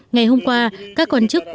ngày hôm qua các quan chức